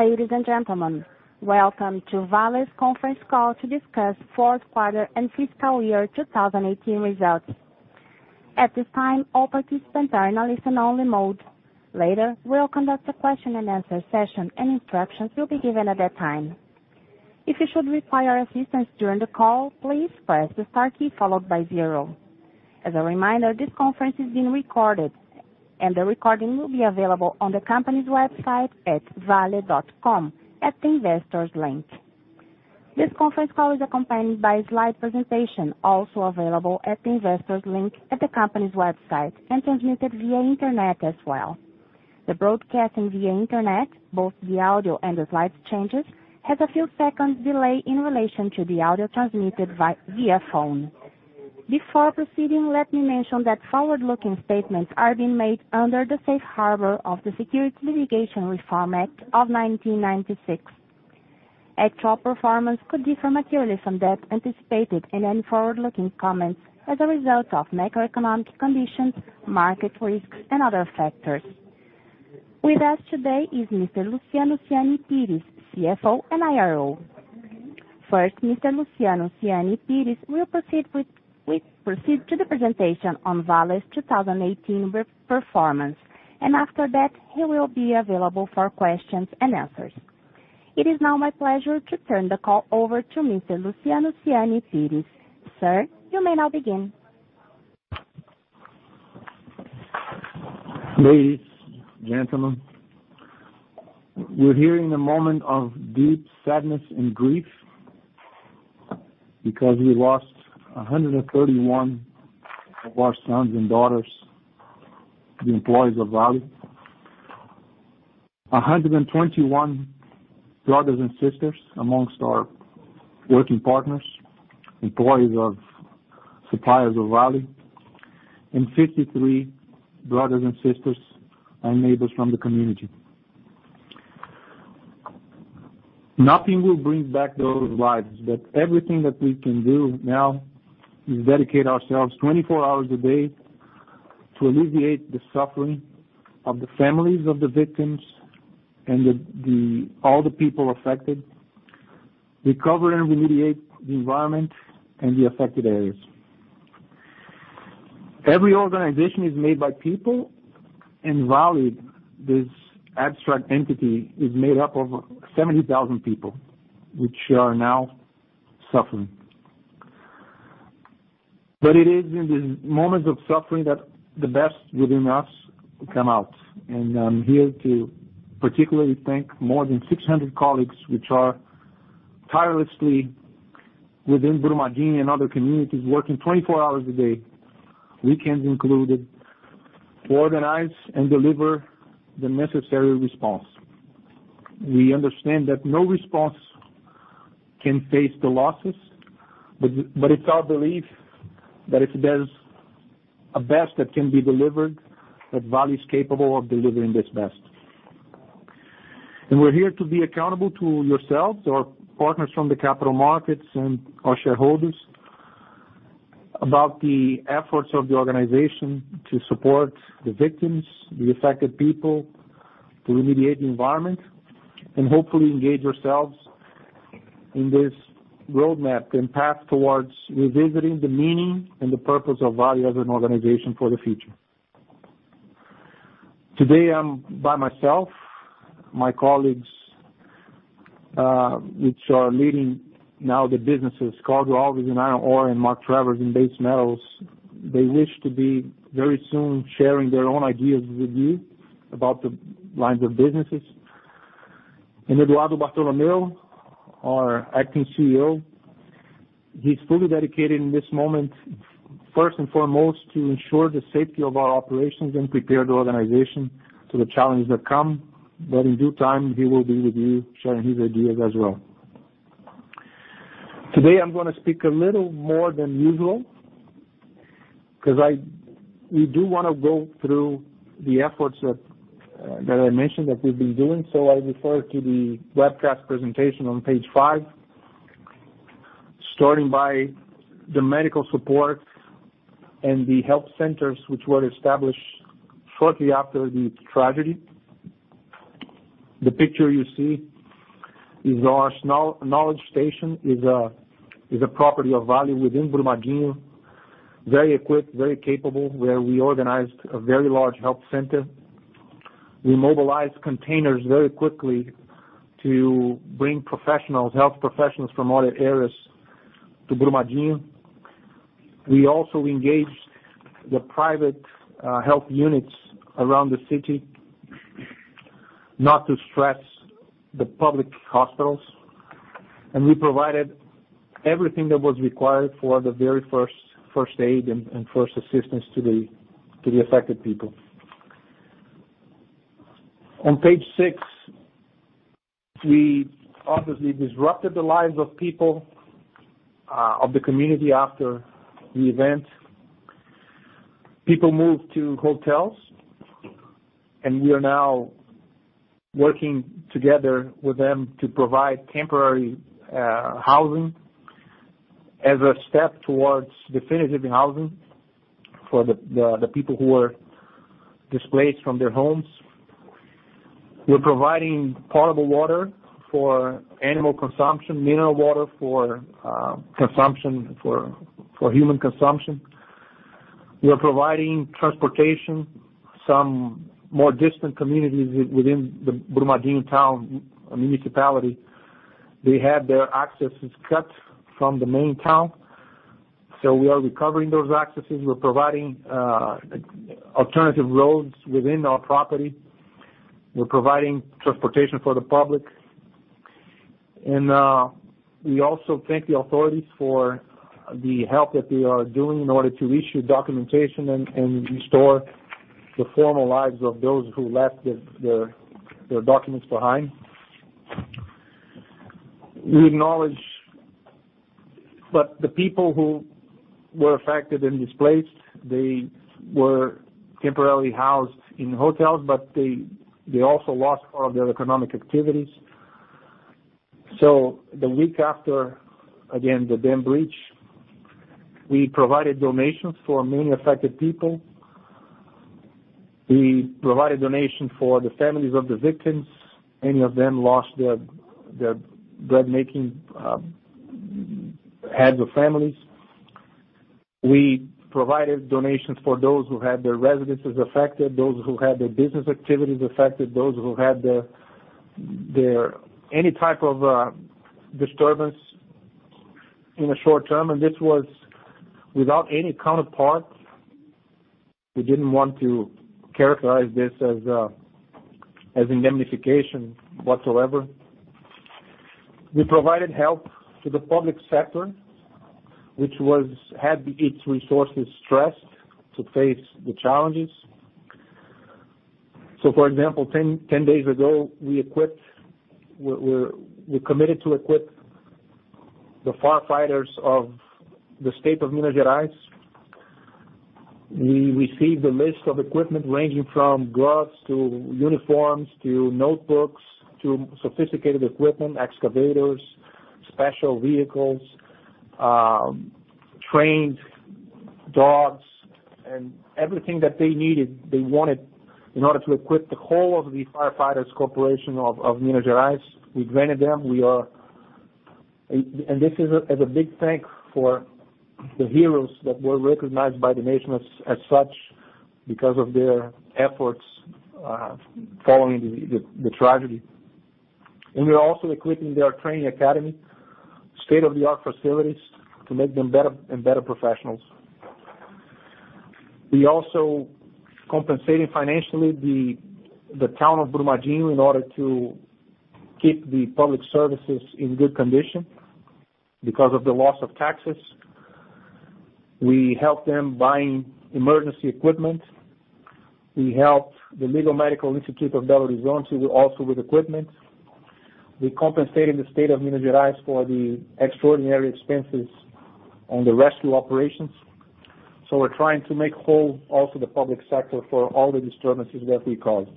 Ladies and gentlemen, welcome to Vale's conference call to discuss fourth quarter and fiscal year 2018 results. At this time, all participants are in a listen-only mode. Later, we'll conduct a question and answer session, and instructions will be given at that time. If you should require assistance during the call, please press the star key followed by zero. As a reminder, this conference is being recorded, and the recording will be available on the company's website at vale.com at the investors link. This conference call is accompanied by a slide presentation, also available at the investors link at the company's website, and transmitted via internet as well. The broadcasting via internet, both the audio and the slide changes, has a few seconds delay in relation to the audio transmitted via phone. Before proceeding, let me mention that forward-looking statements are being made under the safe harbor of the Private Securities Litigation Reform Act of 1995. Actual performance could differ materially from that anticipated in any forward-looking comments as a result of macroeconomic conditions, market risks and other factors. With us today is Mr. Luciano Siani Pires, CFO and IRO. First, Mr. Luciano Siani Pires will proceed to the presentation on Vale's 2018 performance, and after that, he will be available for questions and answers. It is now my pleasure to turn the call over to Mr. Luciano Siani Pires. Sir, you may now begin. Ladies, gentlemen, we're here in a moment of deep sadness and grief because we lost 131 of our sons and daughters, the employees of Vale, 121 brothers and sisters amongst our working partners, employees of suppliers of Vale, and 53 brothers and sisters and neighbors from the community. Nothing will bring back those lives, but everything that we can do now is dedicate ourselves 24 hours a day to alleviate the suffering of the families of the victims and all the people affected, recover and remediate the environment and the affected areas. Every organization is made by people, and Vale, this abstract entity, is made up of 70,000 people which are now suffering. It is in these moments of suffering that the best within us come out. I'm here to particularly thank more than 600 colleagues which are tirelessly within Brumadinho and other communities, working 24 hours a day, weekends included, to organize and deliver the necessary response. We understand that no response can face the losses, but it's our belief that if there's a best that can be delivered, that Vale is capable of delivering this best. We're here to be accountable to yourselves, our partners from the capital markets and our shareholders about the efforts of the organization to support the victims, the affected people, to remediate the environment, and hopefully engage ourselves in this roadmap and path towards revisiting the meaning and the purpose of Vale as an organization for the future. Today, I'm by myself. My colleagues, which are leading now the businesses, Carlos Alves in iron ore and Mark Travers in base metals, they wish to be very soon sharing their own ideas with you about the lines of businesses. Eduardo Bartolomeo, our acting CEO, he's fully dedicated in this moment, first and foremost, to ensure the safety of our operations and prepare the organization to the challenges that come. In due time, he will be with you sharing his ideas as well. Today, I'm going to speak a little more than usual because we do want to go through the efforts that I mentioned that we've been doing. I refer to the webcast presentation on page five, starting by the medical support and the health centers which were established shortly after the tragedy. The picture you see is our knowledge station, is a property of Vale within Brumadinho, very equipped, very capable, where we organized a very large health center. We mobilized containers very quickly to bring health professionals from other areas to Brumadinho. We also engaged the private health units around the city not to stress the public hospitals, we provided everything that was required for the very first aid and first assistance to the affected people. On page six, we obviously disrupted the lives of people of the community after the event. People moved to hotels, we are now working together with them to provide temporary housing as a step towards definitive housing for the people who were displaced from their homes. We're providing potable water for animal consumption, mineral water for human consumption. We are providing transportation. Some more distant communities within the Brumadinho town municipality, they had their accesses cut from the main town. We are recovering those accesses. We're providing alternative roads within our property. We're providing transportation for the public. We also thank the authorities for the help that they are doing in order to issue documentation and restore the formal lives of those who left their documents behind. We acknowledge the people who were affected and displaced, they were temporarily housed in hotels, but they also lost part of their economic activities. The week after, again, the dam breach, we provided donation for many affected people. We provided donation for the families of the victims. Many of them lost their bread-making heads of families. We provided donations for those who had their residences affected, those who had their business activities affected, those who had any type of disturbance in the short term, this was without any counterpart. We didn't want to characterize this as indemnification whatsoever. We provided help to the public sector, which had its resources stressed to face the challenges. For example, 10 days ago, we committed to equip the firefighters of the state of Minas Gerais. We received a list of equipment ranging from gloves to uniforms, to notebooks, to sophisticated equipment, excavators, special vehicles, trained dogs, everything that they needed, they wanted in order to equip the whole of the firefighters' corporation of Minas Gerais. We granted them. As a big thanks for the heroes that were recognized by the nation as such because of their efforts, following the tragedy. We're also equipping their training academy, state-of-the-art facilities to make them better and better professionals. We also compensated financially the town of Brumadinho in order to keep the public services in good condition because of the loss of taxes. We helped them buying emergency equipment. We helped the Legal Medical Institute of Belo Horizonte also with equipment. We compensated the state of Minas Gerais for the extraordinary expenses on the rescue operations. We're trying to make whole also the public sector for all the disturbances that we caused.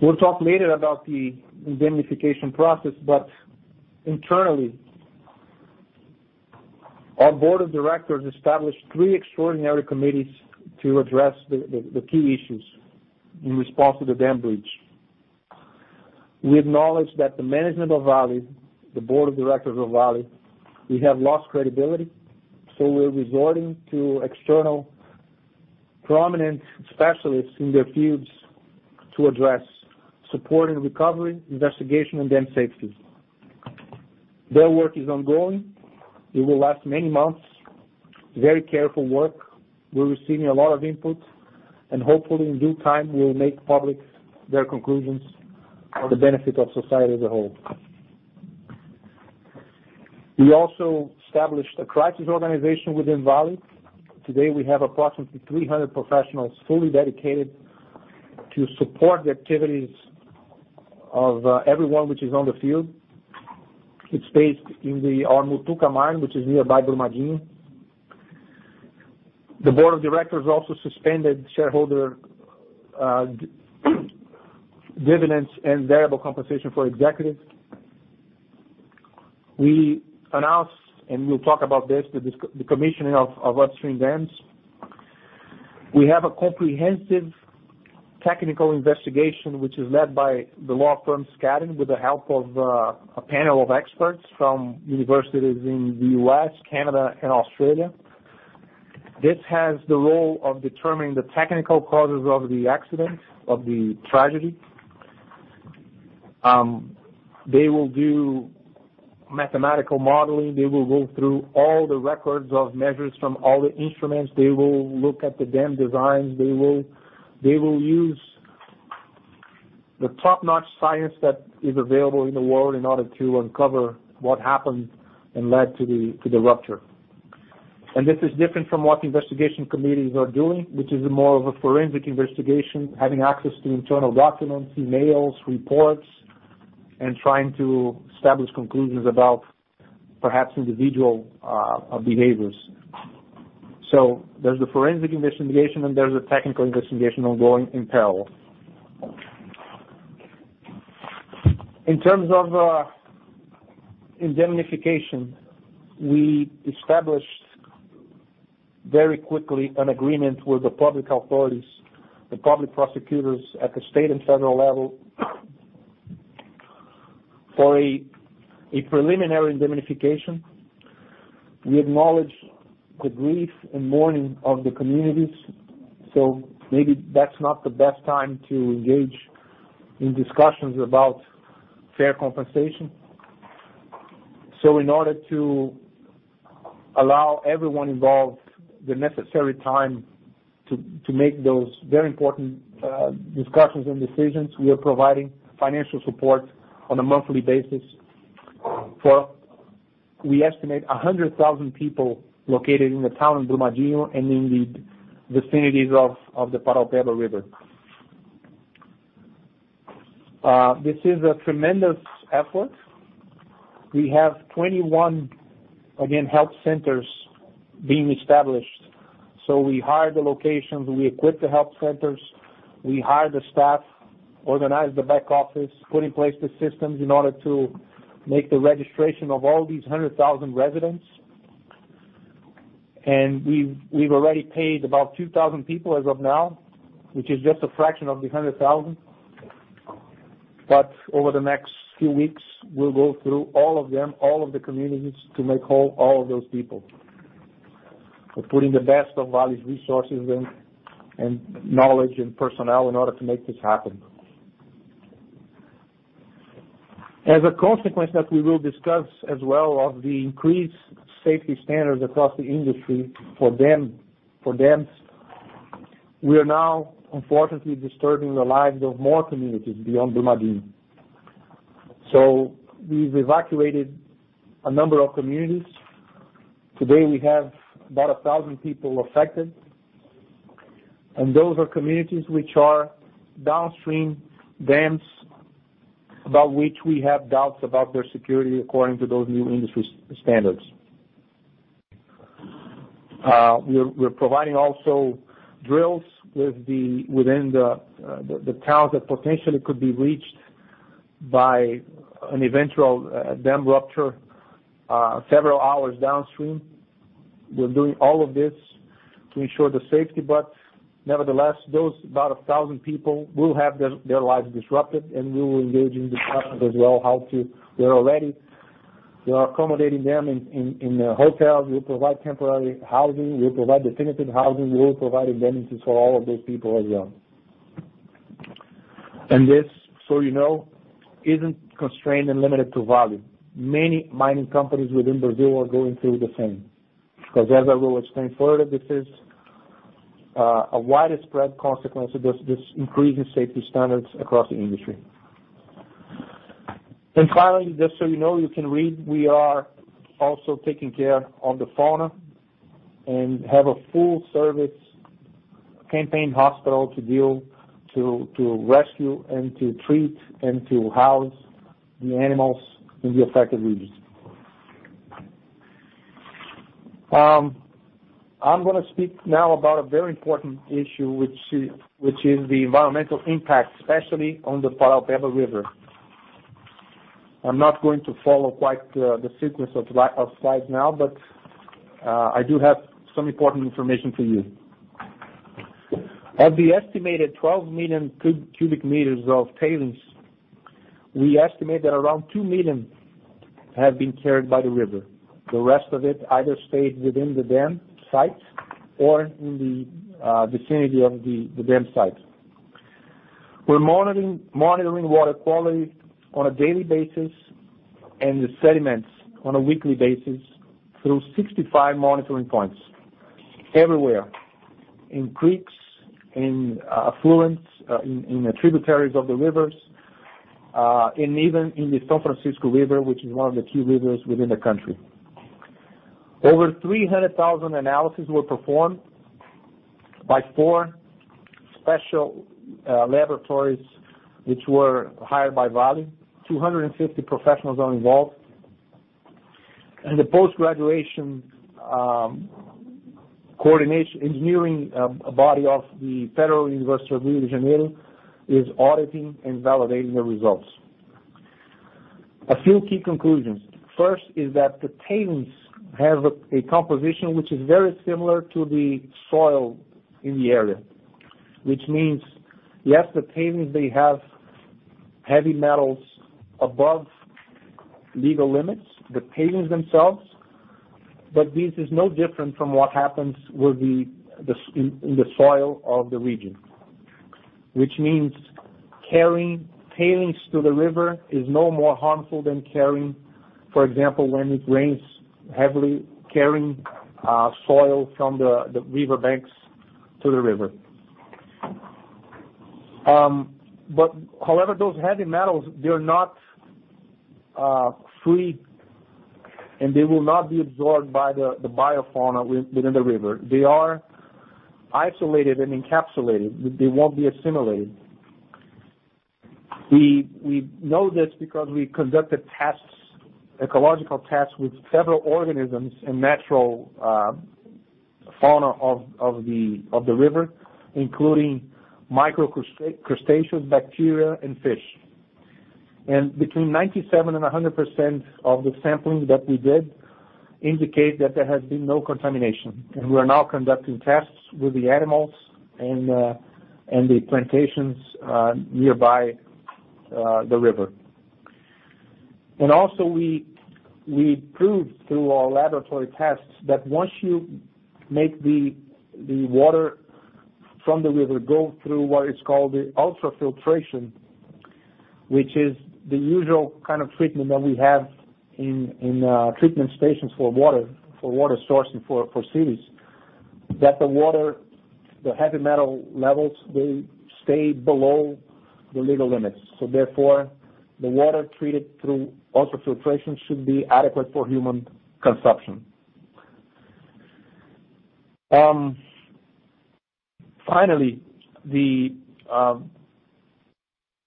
We'll talk later about the indemnification process, but internally, our board of directors established three extraordinary committees to address the key issues in response to the dam breach. We acknowledge that the management of Vale, the board of directors of Vale, we have lost credibility. We're resorting to external prominent specialists in their fields to address support and recovery, investigation, and dam safety. Their work is ongoing. It will last many months. Very careful work. We're receiving a lot of input, and hopefully, in due time, we'll make public their conclusions for the benefit of society as a whole. We also established a crisis organization within Vale. Today, we have approximately 300 professionals fully dedicated to support the activities of everyone which is on the field. It's based in our Mutuca mine, which is nearby Brumadinho. The board of directors also suspended shareholder dividends and variable compensation for executives. We announced, and we'll talk about this, the decommissioning of upstream dams. We have a comprehensive technical investigation, which is led by the law firm Skadden, with the help of a panel of experts from universities in the US, Canada, and Australia. This has the role of determining the technical causes of the accident, of the tragedy. They will do mathematical modeling. They will go through all the records of measures from all the instruments. They will look at the dam designs. They will use the top-notch science that is available in the world in order to uncover what happened and led to the rupture. This is different from what the investigation committees are doing, which is more of a forensic investigation, having access to internal documents, emails, reports, and trying to establish conclusions about perhaps individual behaviors. There's the forensic investigation and there's a technical investigation ongoing in parallel. In terms of indemnification, we established very quickly an agreement with the public authorities, the public prosecutors at the state and federal level for a preliminary indemnification. We acknowledge the grief and mourning of the communities, so maybe that's not the best time to engage in discussions about fair compensation. In order to allow everyone involved the necessary time to make those very important discussions and decisions, we are providing financial support on a monthly basis for, we estimate, 100,000 people located in the town of Brumadinho and in the vicinities of the Paraopeba River. This is a tremendous effort. We have 21, again, health centers being established. We hired the locations, we equipped the health centers, we hired the staff, organized the back office, put in place the systems in order to make the registration of all these 100,000 residents. We've already paid about 2,000 people as of now, which is just a fraction of the 100,000. Over the next few weeks, we'll go through all of them, all of the communities, to make whole all of those people. We're putting the best of Vale's resources and knowledge and personnel in order to make this happen. As a consequence that we will discuss as well of the increased safety standards across the industry for dams, we are now unfortunately disturbing the lives of more communities beyond Brumadinho. We've evacuated a number of communities. Today, we have about 1,000 people affected, and those are communities which are downstream dams, about which we have doubts about their security according to those new industry standards. We're providing also drills within the towns that potentially could be reached by an eventual dam rupture several hours downstream. We're doing all of this to ensure the safety, but nevertheless, those about 1,000 people will have their lives disrupted, and we will engage in discussions as well. We are accommodating them in hotels. We provide temporary housing. We provide definitive housing. We will provide indemnities for all of those people as well. This, so you know, isn't constrained and limited to Vale. Many mining companies within Brazil are going through the same, because as I will explain further, this is a widespread consequence of this increasing safety standards across the industry. Finally, just so you know, you can read, we are also taking care of the fauna and have a full-service campaign hospital to deal, to rescue, and to treat, and to house the animals in the affected regions. I'm gonna speak now about a very important issue, which is the environmental impact, especially on the Paraopeba River. I'm not going to follow quite the sequence of slides now, but I do have some important information for you. Of the estimated 12 million cubic meters of tailings, we estimate that around 2 million have been carried by the river. The rest of it either stayed within the dam sites or in the vicinity of the dam sites. We're monitoring water quality on a daily basis and the sediments on a weekly basis through 65 monitoring points everywhere, in creeks, in affluents, in the tributaries of the rivers, and even in the São Francisco River, which is one of the key rivers within the country. Over 300,000 analyses were performed by four special laboratories, which were hired by Vale. 250 professionals are involved, and the post-graduation engineering body of the Federal University of Rio de Janeiro is auditing and validating the results. A few key conclusions. First is that the tailings have a composition which is very similar to the soil in the area. Which means, yes, the tailings, they have heavy metals above legal limits, the tailings themselves, but this is no different from what happens in the soil of the region. Carrying tailings to the river is no more harmful than carrying, for example, when it rains heavily, carrying soil from the riverbanks to the river. However, those heavy metals, they are not free, and they will not be absorbed by the biofauna within the river. They are isolated and encapsulated. They won't be assimilated. We know this because we conducted tests, ecological tests with several organisms in natural fauna of the river, including microcrustaceans, bacteria, and fish. Between 97% and 100% of the sampling that we did indicate that there has been no contamination, and we are now conducting tests with the animals and the plantations nearby the river. Also, we proved through our laboratory tests that once you make the water from the river go through what is called the ultrafiltration, which is the usual kind of treatment that we have in treatment stations for water sourcing for cities, that the water, the heavy metal levels will stay below the legal limits. Therefore, the water treated through ultrafiltration should be adequate for human consumption. Finally, the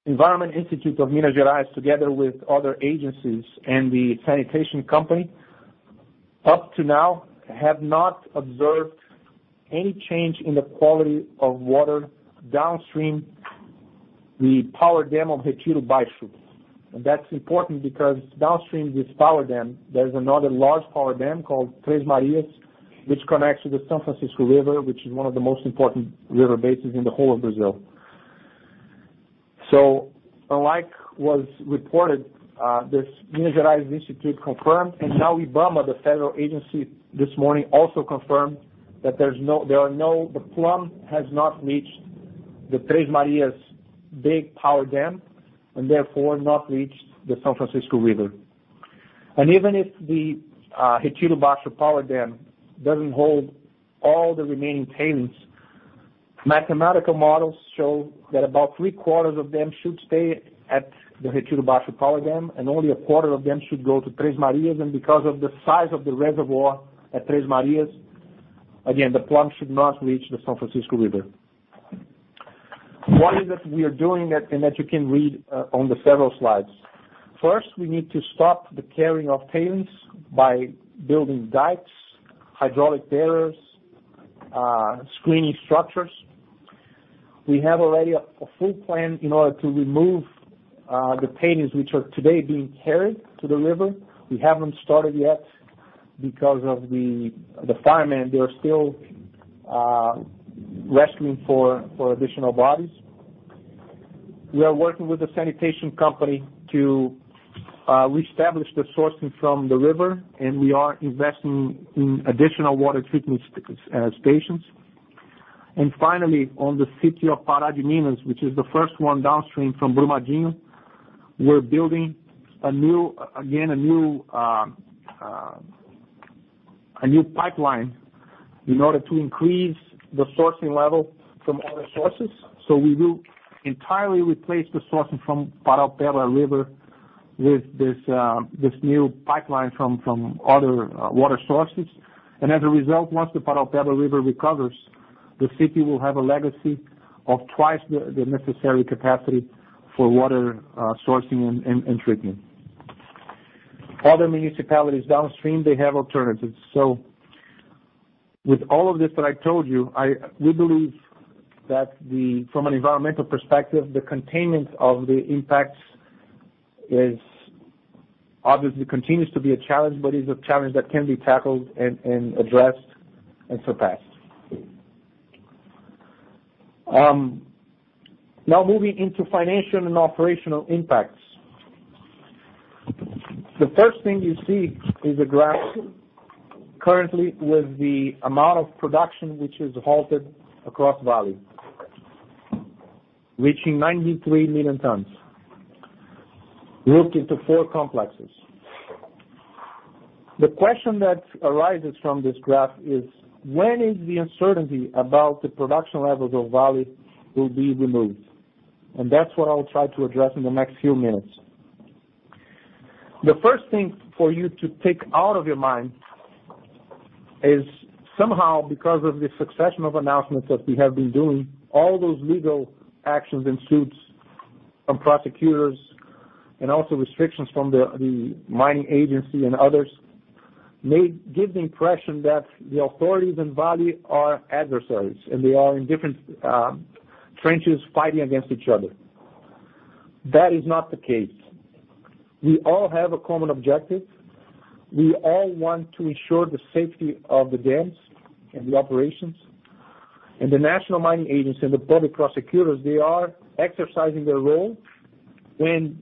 Environment Institute of Minas Gerais, together with other agencies and the sanitation company, up to now have not observed any change in the quality of water downstream the power dam of Retiro Baixo. That's important because downstream this power dam, there's another large power dam called Três Marias, which connects to the São Francisco River, which is one of the most important river bases in the whole of Brazil. Unlike was reported, this Minas Gerais Institute confirmed, now IBAMA, the federal agency, this morning also confirmed that the plume has not reached the Três Marias big power dam, therefore not reached the São Francisco River. Even if the Retiro Baixo Power Dam doesn't hold all the remaining tailings, mathematical models show that about three-quarters of them should stay at the Retiro Baixo Power Dam, only a quarter of them should go to Três Marias, because of the size of the reservoir at Três Marias, again, the plume should not reach the São Francisco River. What is it we are doing that you can read on the several slides? First, we need to stop the carrying of tailings by building dikes, hydraulic barriers, screening structures. We have already a full plan in order to remove the tailings which are today being carried to the river. We haven't started yet because of the firemen, they are still rescuing for additional bodies. We are working with the sanitation company to reestablish the sourcing from the river, we are investing in additional water treatment stations. Finally, on the city of Pará de Minas, which is the first one downstream from Brumadinho, we are building, again, a new pipeline in order to increase the sourcing level from other sources. We will entirely replace the sourcing from Paraopeba River with this new pipeline from other water sources. As a result, once the Paraopeba River recovers, the city will have a legacy of twice the necessary capacity for water sourcing and treatment. Other municipalities downstream, they have alternatives. With all of this that I told you, we believe that from an environmental perspective, the containment of the impacts obviously continues to be a challenge, but is a challenge that can be tackled and addressed and surpassed. Moving into financial and operational impacts. The first thing you see is a graph currently with the amount of production which is halted across Vale, reaching 93 million tons, grouped into four complexes. The question that arises from this graph is: When is the uncertainty about the production levels of Vale will be removed? That's what I'll try to address in the next few minutes. The first thing for you to take out of your mind is somehow because of the succession of announcements that we have been doing, all those legal actions and suits from prosecutors, and also restrictions from the mining agency and others, may give the impression that the authorities and Vale are adversaries, and they are in different trenches fighting against each other. That is not the case. We all have a common objective. We all want to ensure the safety of the dams and the operations. The National Mining Agency and the public prosecutors, they are exercising their role, and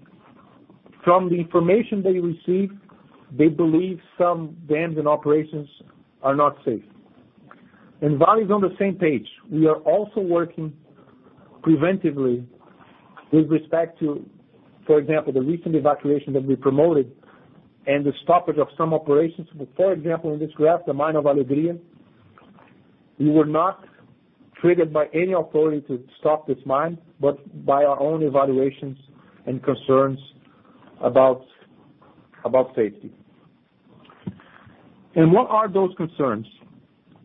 from the information they receive, they believe some dams and operations are not safe. Vale's on the same page. We are also working preventively with respect to, for example, the recent evacuation that we promoted and the stoppage of some operations. For example, in this graph, the mine of Alegria, we were not triggered by any authority to stop this mine, but by our own evaluations and concerns about safety. What are those concerns?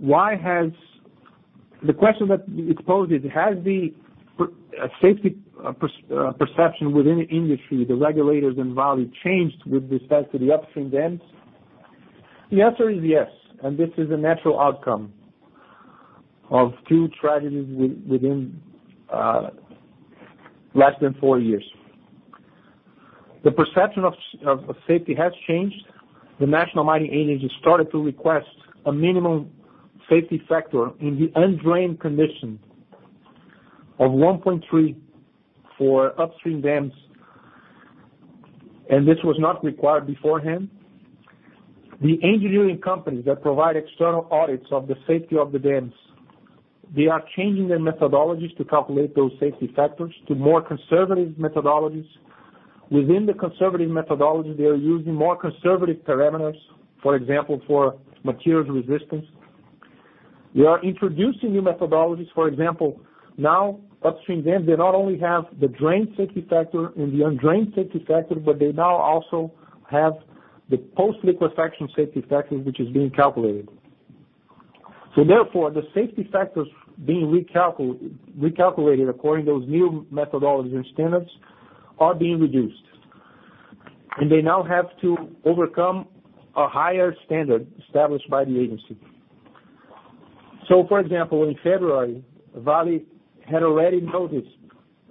The question that you exposed is, has the safety perception within the industry, the regulators in Vale changed with respect to the upstream dams? The answer is yes, and this is a natural outcome of two tragedies within less than four years. The perception of safety has changed. The National Mining Agency started to request a minimum safety factor in the undrained condition of 1.3 for upstream dams, this was not required beforehand. The engineering companies that provide external audits of the safety of the dams, they are changing their methodologies to calculate those safety factors to more conservative methodologies. Within the conservative methodology, they are using more conservative parameters. For example, for materials resistance. They are introducing new methodologies. For example, now upstream dams, they not only have the drained safety factor and the undrained safety factor, but they now also have the post-liquefaction safety factor, which is being calculated. Therefore, the safety factors being recalculated according to those new methodologies and standards are being reduced. They now have to overcome a higher standard established by the agency. For example, in February, Vale had already noticed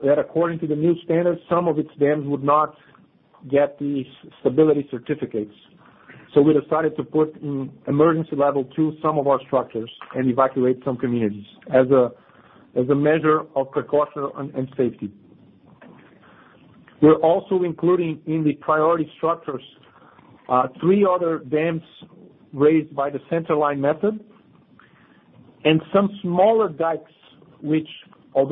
that according to the new standards, some of its dams would not get these stability certificates. We decided to put in emergency level to some of our structures and evacuate some communities as a measure of precaution and safety. As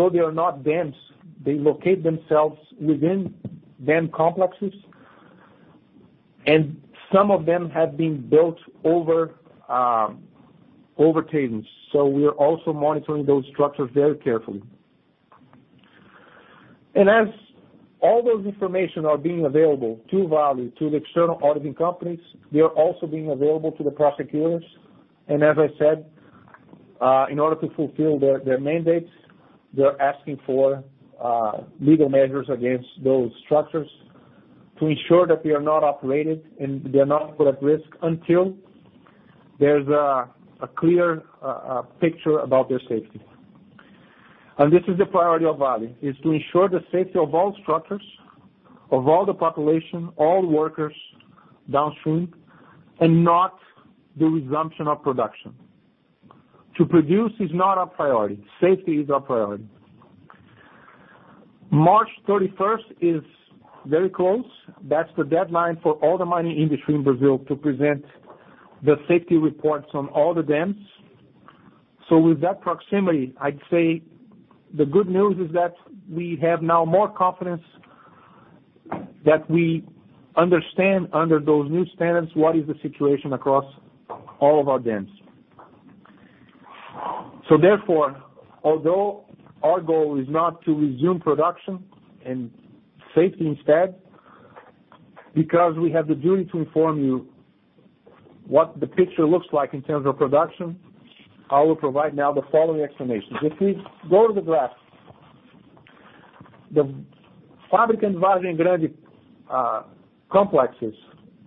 all those information are being available to Vale, to the external auditing companies, they are also being available to the prosecutors. As I said, in order to fulfill their mandates, they're asking for legal measures against those structures to ensure that they are not operated, and they are not put at risk until there's a clear picture about their safety. This is the priority of Vale, is to ensure the safety of all structures, of all the population, all workers downstream, and not the resumption of production. To produce is not our priority. Safety is our priority. March 31st is very close. That's the deadline for all the mining industry in Brazil to present the safety reports on all the dams. With that proximity, I'd say the good news is that we have now more confidence that we understand under those new standards what is the situation across all of our dams. Therefore, although our goal is not to resume production and safety instead, because we have the duty to inform you what the picture looks like in terms of production, I will provide now the following explanations. If we go to the graph, the Fábrica and Vargem Grande complexes,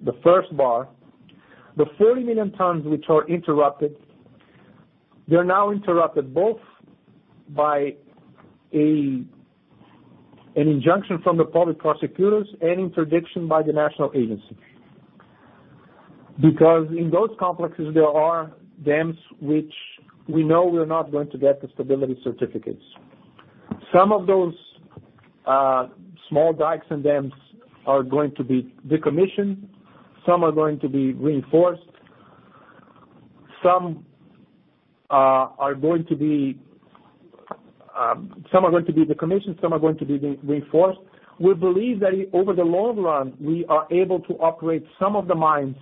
the first bar, the 40 million tons which are interrupted, they're now interrupted both by an injunction from the public prosecutors and interdiction by the National Mining Agency. Because in those complexes, there are dams which we know were not going to get the stability certificates. Some of those small dikes and dams are going to be decommissioned. Some are going to be reinforced. Some are going to be decommissioned. Some are going to be reinforced. We believe that over the long run, we are able to operate some of the mines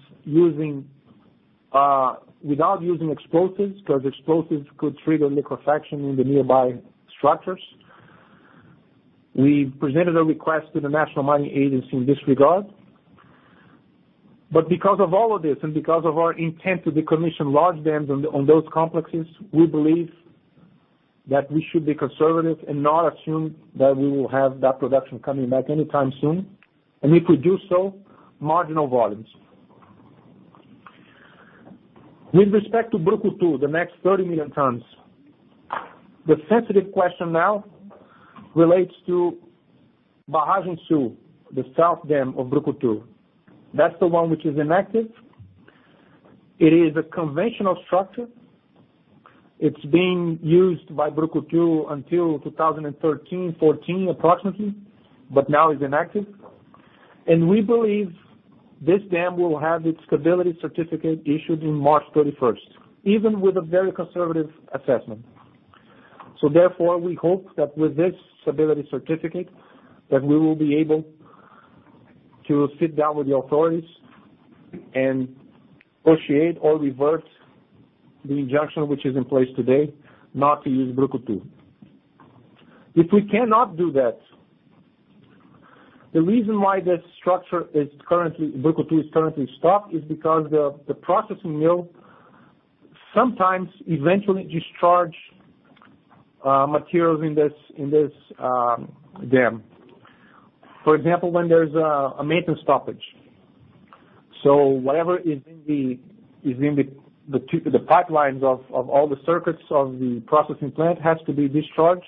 without using explosives, because explosives could trigger liquefaction in the nearby structures. We presented a request to the National Mining Agency in this regard. Because of all of this and because of our intent to decommission large dams on those complexes, we believe that we should be conservative and not assume that we will have that production coming back anytime soon. If we do so, marginal volumes. With respect to Brucutu, the next 30 million tons, the sensitive question now relates to Barragem Sul, the south dam of Brucutu. That's the one which is inactive. It is a conventional structure. It's being used by Brucutu until 2013, 2014 approximately, but now is inactive. We believe this dam will have its stability certificate issued in March 31st, even with a very conservative assessment. Therefore, we hope that with this stability certificate, that we will be able to sit down with the authorities and negotiate or revert the injunction which is in place today, not to use Brucutu. If we cannot do that. The reason why this structure, Brucutu, is currently stopped is because the processing mill sometimes eventually discharges materials in this dam. For example, when there's a maintenance stoppage. Whatever is in the pipelines of all the circuits of the processing plant has to be discharged,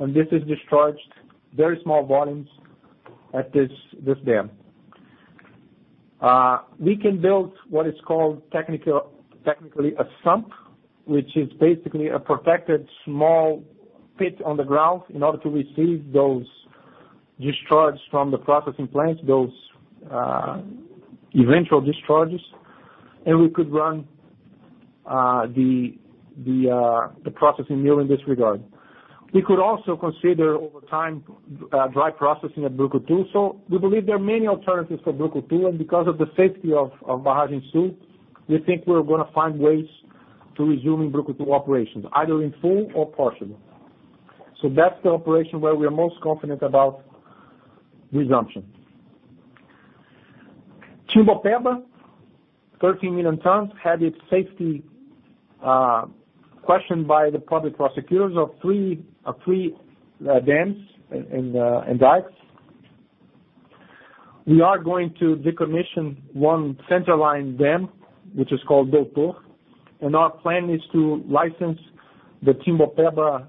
and this is discharged very small volumes at this dam. We can build what is called technically a sump, which is basically a protected small pit on the ground in order to receive those discharges from the processing plant, those eventual discharges, and we could run the processing mill in this regard. We could also consider, over time, dry processing at Brucutu. We believe there are many alternatives for Brucutu, and because of the safety of [structures], we think we're going to find ways to resuming Brucutu operations, either in full or partial. That's the operation where we're most confident about resumption. Timbopeba, 13 million tons, had its safety questioned by the public prosecutors of three dams and dikes. We are going to decommission one centerline dam, which is called Doutor, and our plan is to license the Timbopeba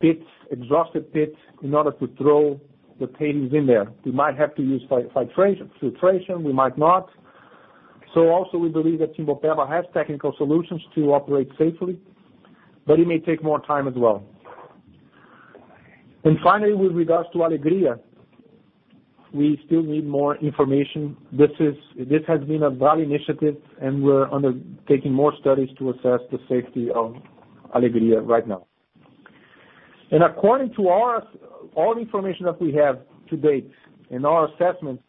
pits, exhausted pits, in order to throw the tailings in there. We might have to use filtration, we might not. Also, we believe that Timbopeba has technical solutions to operate safely, but it may take more time as well. Finally, with regards to Alegria, we still need more information. This has been a Vale initiative, and we're undertaking more studies to assess the safety of Alegria right now. According to all information that we have to date in our assessment,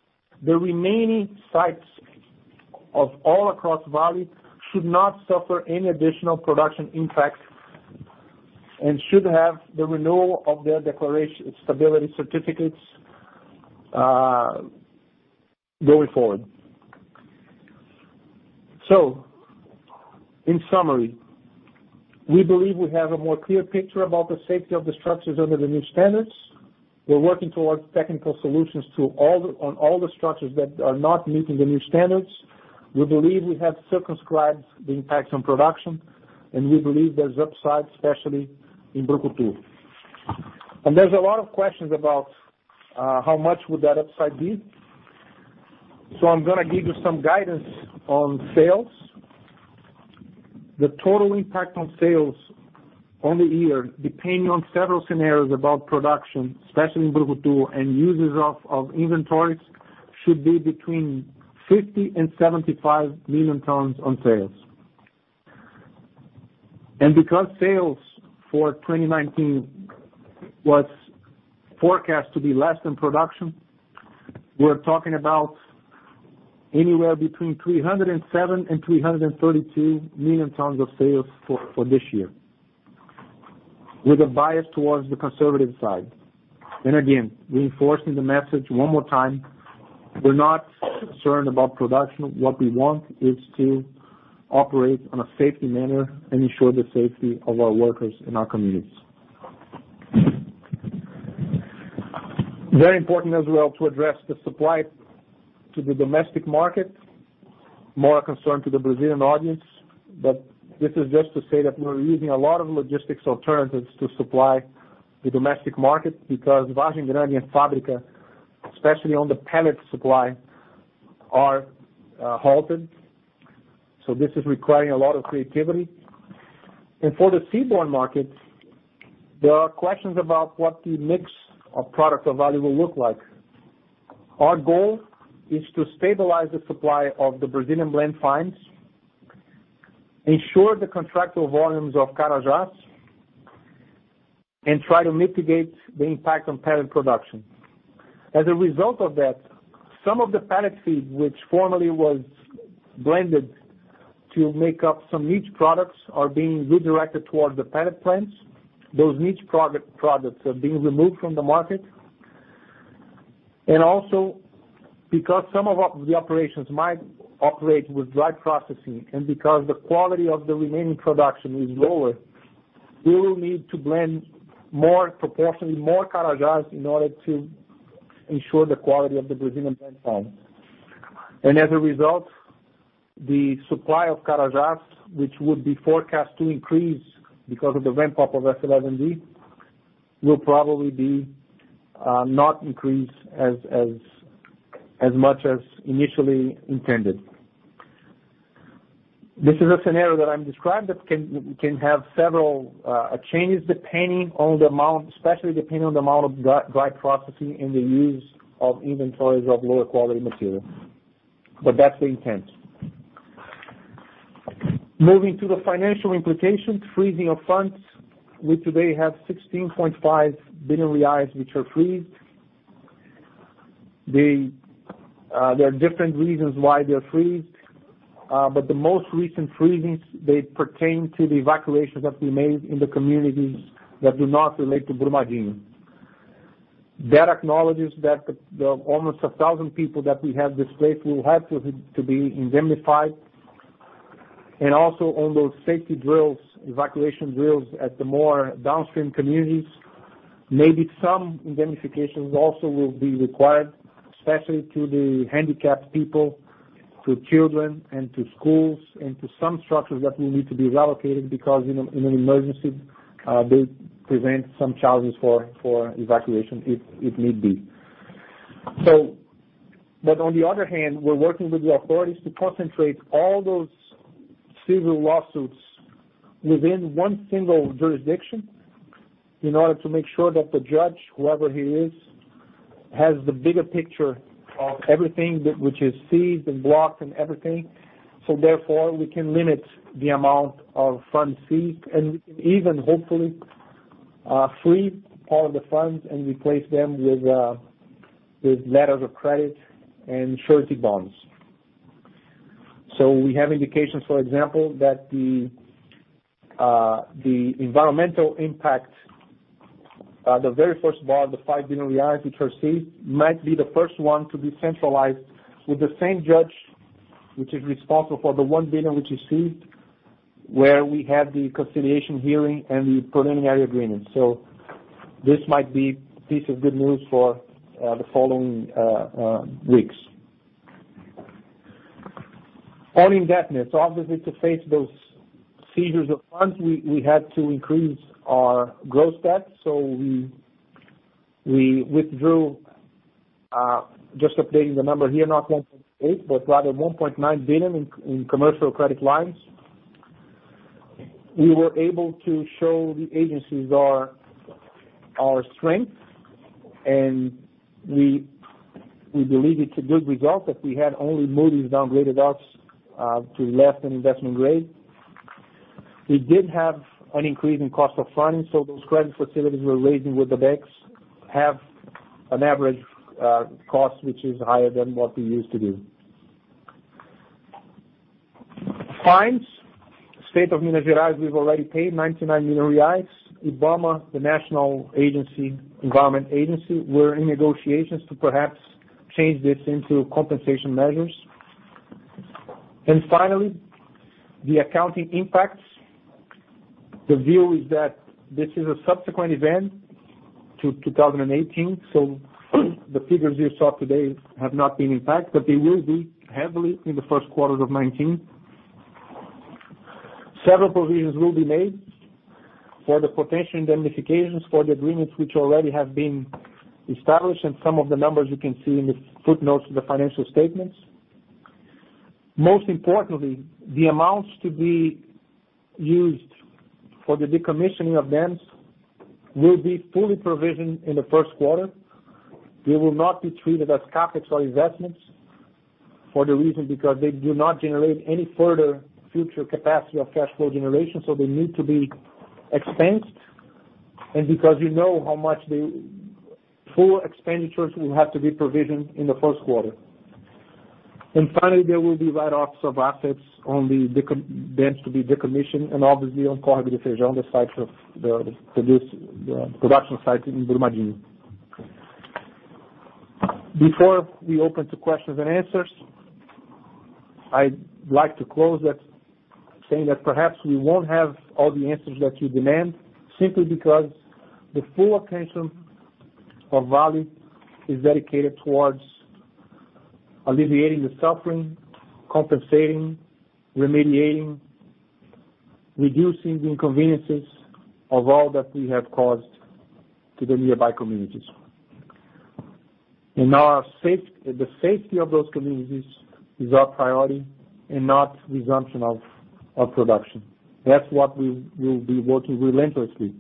the remaining sites of all across Vale should not suffer any additional production impacts and should have the renewal of their declaration stability certificates going forward. In summary, we believe we have a more clear picture about the safety of the structures under the new standards. We're working towards technical solutions on all the structures that are not meeting the new standards. We believe we have circumscribed the impact on production, and we believe there's upside, especially in Brucutu. There's a lot of questions about how much would that upside be. I'm going to give you some guidance on sales. The total impact on sales on the year, depending on several scenarios about production, especially in Brucutu, and uses of inventories, should be between 50 million tons and 75 million tons on sales. Because sales for 2019 was forecast to be less than production, we're talking about anywhere between 307 million tons and 332 million tons of sales for this year, with a bias towards the conservative side. Again, reinforcing the message one more time, we're not concerned about production. What we want is to operate on a safety manner and ensure the safety of our workers and our communities. Very important as well to address the supply to the domestic market. More a concern to the Brazilian audience, this is just to say that we're using a lot of logistics alternatives to supply the domestic market because Vargem Grande and Fábrica, especially on the pellet supply, are halted. This is requiring a lot of creativity. For the seaborne market, there are questions about what the mix of product of Vale will look like. Our goal is to stabilize the supply of the Brazilian Blend Fines, ensure the contractual volumes of Carajás, and try to mitigate the impact on pellet production. As a result of that, some of the pellet feed which formerly was blended to make up some niche products are being redirected towards the pellet plants. Those niche products are being removed from the market. Also, because some of the operations might operate with dry processing, and because the quality of the remaining production is lower, we will need to blend proportionally more Carajás in order to ensure the quality of the Brazilian Blend Fines. As a result, the supply of Carajás, which would be forecast to increase because of the ramp-up of S11D, will probably not increase as much as initially intended. This is a scenario that I'm describing that can have several changes, especially depending on the amount of dry processing and the use of inventories of lower quality material. That's the intent. Moving to the financial implications, freezing of funds. We today have 16.5 billion reais, which are frozen. There are different reasons why they are frozen, but the most recent freezings, they pertain to the evacuations that we made in the communities that do not relate to Brumadinho. That acknowledges that the almost 1,000 people that we have displaced will have to be indemnified. Also on those safety drills, evacuation drills at the more downstream communities, maybe some indemnifications also will be required, especially to the handicapped people, to children, and to schools, and to some structures that will need to be relocated because in an emergency, they prevent some challenges for evacuation if need be. On the other hand, we're working with the authorities to concentrate all those civil lawsuits within one single jurisdiction in order to make sure that the judge, whoever he is, has the bigger picture of everything that which is seized and blocked and everything. Therefore, we can limit the amount of funds seized, and we can even hopefully, free all the funds and replace them with letters of credit and surety bonds. We have indications, for example, that the environmental impact, the very first bond, 5 billion reais, which are seized, might be the first one to be centralized with the same judge, which is responsible for the 1 billion, which is seized, where we have the conciliation hearing and the preliminary agreement. This might be a piece of good news for the following weeks. Our indebtedness. Obviously, to face those seizures of funds, we had to increase our gross debt. We withdrew, just updating the number here, not 1.8 billion, but rather 1.9 billion in commercial credit lines. We were able to show the agencies our strength, and we believe it's a good result that we had only Moody's downgraded us to less than investment grade. Those credit facilities we're raising with the banks have an average cost, which is higher than what we used to be. Fines. State of Minas Gerais, we've already paid 99 million reais. IBAMA, the national environment agency, we're in negotiations to perhaps change this into compensation measures. Finally, the accounting impacts. The view is that this is a subsequent event to 2018, so the figures you saw today have not been impacted, but they will be heavily in the first quarter of 2019. Several provisions will be made for the potential indemnifications for the agreements, which already have been established, and some of the numbers you can see in the footnotes of the financial statements. Most importantly, the amounts to be used for the decommissioning of dams will be fully provisioned in the first quarter. They will not be treated as CapEx or investments for the reason because they do not generate any further future capacity of cash flow generation, so they need to be expensed. Because you know how much the full expenditures will have to be provisioned in the first quarter. Finally, there will be write-offs of assets on the dams to be decommissioned, and obviously on Córrego do Feijão, the production site in Brumadinho. Before we open to questions and answers, I'd like to close that, saying that perhaps we won't have all the answers that you demand, simply because the full attention of Vale is dedicated towards alleviating the suffering, compensating, remediating, reducing the inconveniences of all that we have caused to the nearby communities. Now, the safety of those communities is our priority, and not resumption of production. That's what we will be working relentlessly.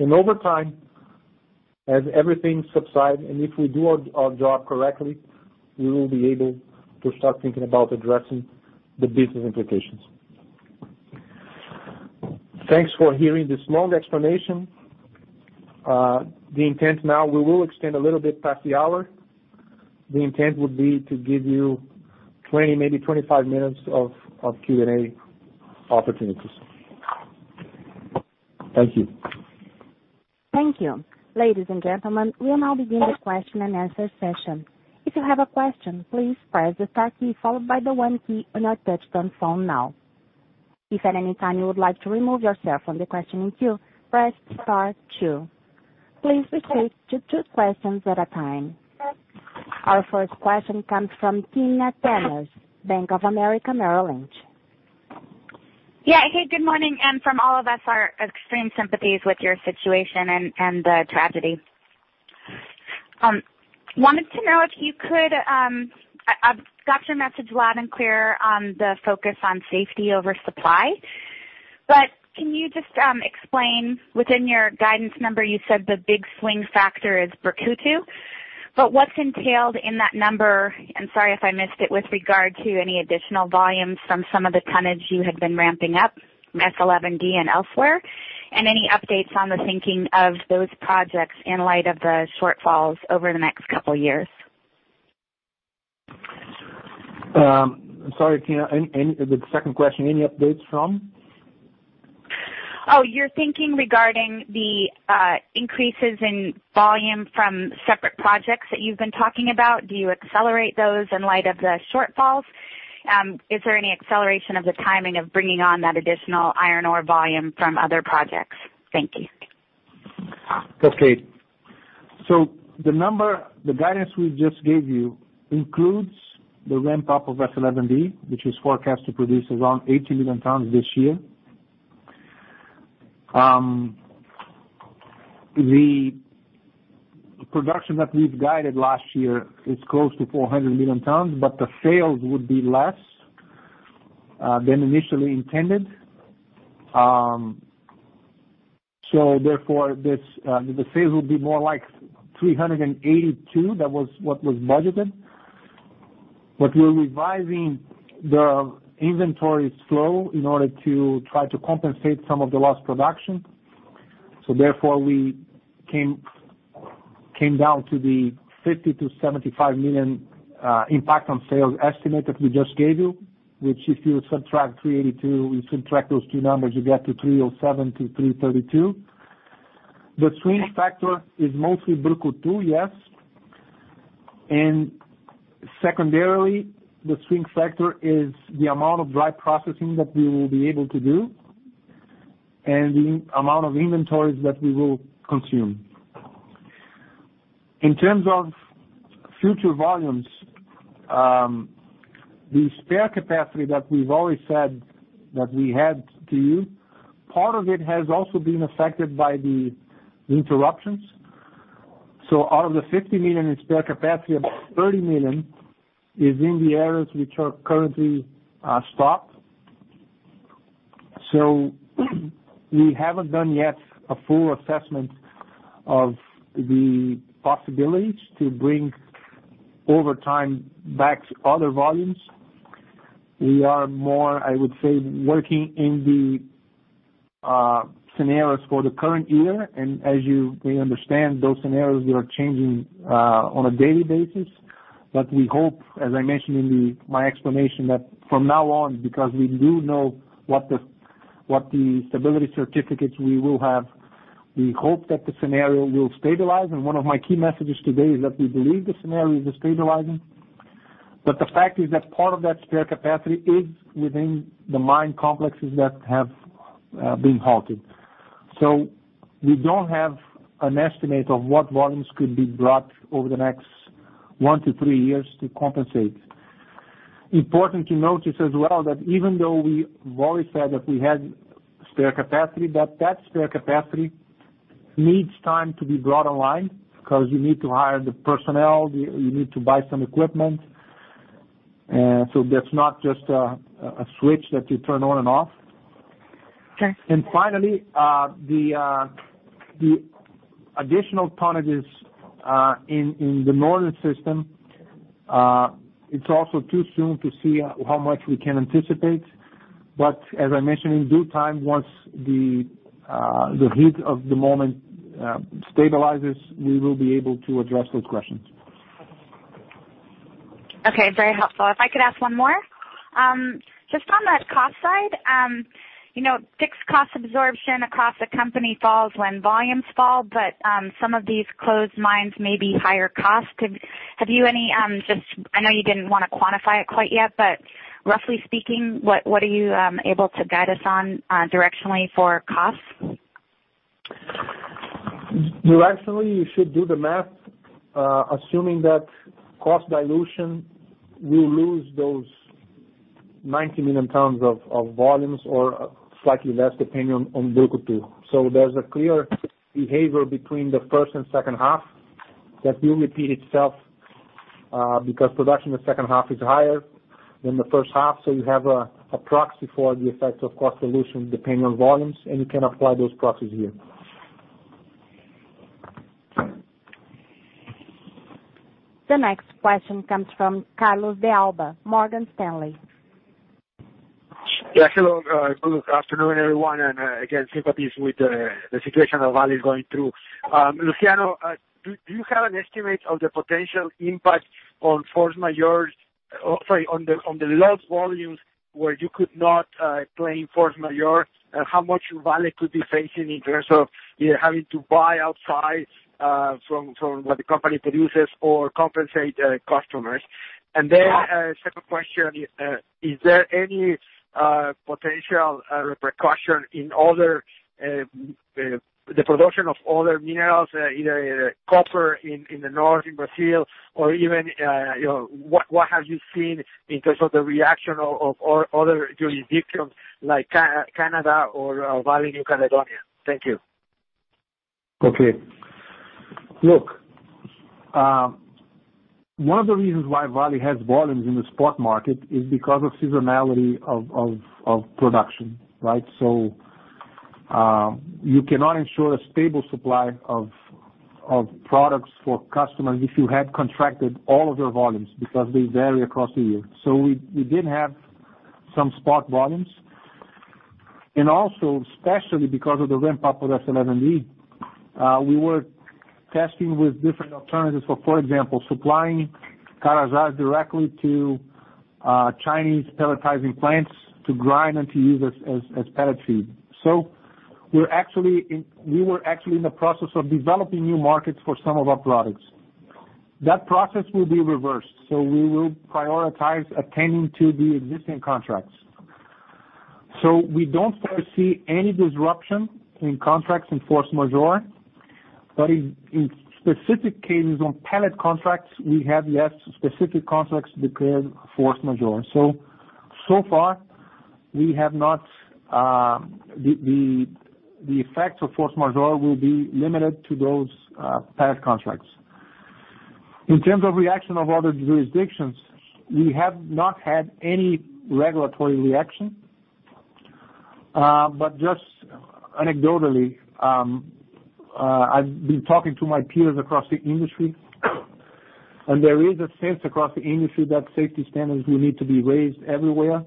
Over time, as everything subside, if we do our job correctly, we will be able to start thinking about addressing the business implications. Thanks for hearing this long explanation. We will extend a little bit past the hour. The intent would be to give you 20, maybe 25 minutes of Q&A opportunities. Thank you. Thank you. Ladies and gentlemen, we'll now begin the question and answer session. If you have a question, please press the star key followed by the 1 key on your touchtone phone now. If at any time you would like to remove yourself from the questioning queue, press star 2. Please restrict to 2 questions at a time. Our first question comes from Tina Tenes, Bank of America Merrill Lynch. Yeah. Hey, good morning, and from all of us, our extreme sympathies with your situation and the tragedy. Wanted to know if you could. I've got your message loud and clear on the focus on safety over supply. But can you just explain within your guidance number, you said the big swing factor is Brucutu. But what's entailed in that number? I'm sorry if I missed it with regard to any additional volumes from some of the tonnage you had been ramping up, S11D and elsewhere. Any updates on the thinking of those projects in light of the shortfalls over the next couple of years? I'm sorry, Tina, the second question, any updates from? Your thinking regarding the increases in volume from separate projects that you've been talking about. Do you accelerate those in light of the shortfalls? Is there any acceleration of the timing of bringing on that additional iron ore volume from other projects? Thank you. Okay. The guidance we just gave you includes the ramp-up of S11D, which is forecast to produce around 80 million tons this year. The production that we've guided last year is close to 400 million tons, the sales would be less than initially intended. The sales will be more like 382. That was what was budgeted. We're revising the inventory flow in order to try to compensate some of the lost production. We came down to the 50 million-75 million impact on sales estimate that we just gave you, which if you subtract 382, you subtract those two numbers, you get to 307 to 332. The swing factor is mostly Brucutu, yes, and secondarily, the swing factor is the amount of dry processing that we will be able to do and the amount of inventories that we will consume. In terms of future volumes, the spare capacity that we've always said that we had to you, part of it has also been affected by the interruptions. Out of the 50 million in spare capacity, about 30 million is in the areas which are currently stopped. We haven't done yet a full assessment of the possibilities to bring over time back other volumes. We are more, I would say, working in the scenarios for the current year, as you may understand, those scenarios are changing on a daily basis. We hope, as I mentioned in my explanation, that from now on, because we do know what the stability certificates we will have, we hope that the scenario will stabilize, one of my key messages today is that we believe the scenario is stabilizing. The fact is that part of that spare capacity is within the mine complexes that have been halted. We don't have an estimate of what volumes could be brought over the next 1-3 years to compensate. Important to notice as well that even though we've always said that we had spare capacity, that spare capacity needs time to be brought online because you need to hire the personnel, you need to buy some equipment. That's not just a switch that you turn on and off. Okay. Finally, the additional tonnages in the northern system, it's also too soon to see how much we can anticipate. As I mentioned, in due time, once the heat of the moment stabilizes, we will be able to address those questions. Okay. Very helpful. If I could ask one more. Just on the cost side, fixed cost absorption across the company falls when volumes fall, some of these closed mines may be higher cost. I know you didn't want to quantify it quite yet, roughly speaking, what are you able to guide us on directionally for costs? Directionally, you should do the math assuming that cost dilution will lose those 90 million tons of volumes or slightly less depending on Brucutu. There's a clear behavior between the first and second half that will repeat itself because production in the second half is higher than the first half, you have a proxy for the effect of cost dilution depending on volumes, you can apply those proxies here. The next question comes from Carlos de Alba, Morgan Stanley. Hello, good afternoon, everyone, and again, sympathies with the situation that Vale is going through. Luciano, do you have an estimate of the potential impact on the lost volumes where you could not claim force majeure, how much Vale could be facing in terms of either having to buy outside from what the company produces or compensate customers? Is there any potential repercussion in the production of other minerals, either copper in the north in Brazil, or even what have you seen in terms of the reaction of other jurisdictions like Canada or Vale New Caledonia? Thank you. Look, one of the reasons why Vale has volumes in the spot market is because of seasonality of production, right? You cannot ensure a stable supply of products for customers if you had contracted all of their volumes because they vary across the year. We did have some spot volumes, and also, especially because of the ramp-up with S11D, we were testing with different alternatives for example, supplying Carajás directly to Chinese pelletizing plants to grind and to use as pellet feed. We were actually in the process of developing new markets for some of our products. That process will be reversed, we will prioritize attending to the existing contracts. We don't foresee any disruption in contracts in force majeure, but in specific cases on pellet contracts, we have less specific contracts declared force majeure. The effects of force majeure will be limited to those pellet contracts. In terms of reaction of other jurisdictions, we have not had any regulatory reaction. Just anecdotally, I've been talking to my peers across the industry, and there is a sense across the industry that safety standards will need to be raised everywhere.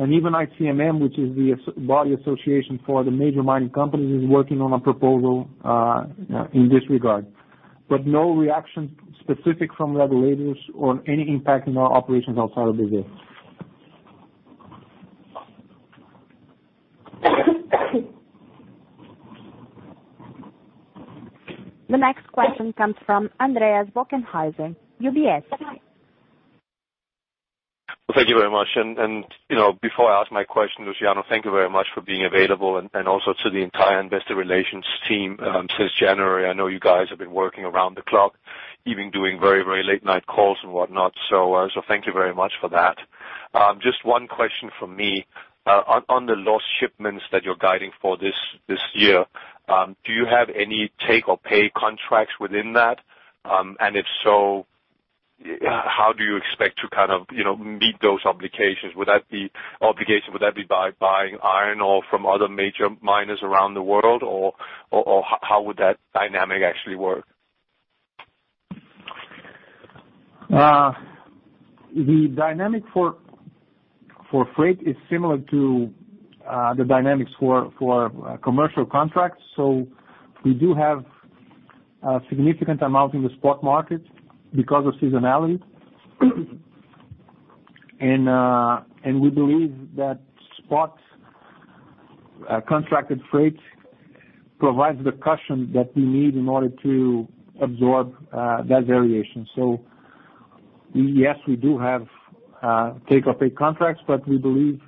Even ICMM, which is the body association for the major mining companies, is working on a proposal in this regard. No reaction specific from regulators or any impact in our operations outside of Brazil. The next question comes from Andreas Bokkenheuser, UBS. Well, thank you very much. Before I ask my question, Luciano, thank you very much for being available and also to the entire investor relations team. Since January, I know you guys have been working around the clock, even doing very, very late-night calls and whatnot. Thank you very much for that. Just one question from me. On the lost shipments that you're guiding for this year, do you have any take-or-pay contracts within that? If so, how do you expect to meet those obligations? Would that be by buying iron ore from other major miners around the world, or how would that dynamic actually work? The dynamic for freight is similar to the dynamics for commercial contracts. We do have a significant amount in the spot market because of seasonality. We believe that spot contracted freight provides the cushion that we need in order to absorb that variation. Yes, we do have take-or-pay contracts, but we believe